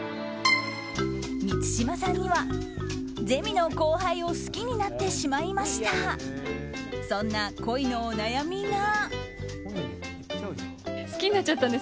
満島さんには、ゼミの後輩を好きになってしまいましたそんな恋のお悩みが。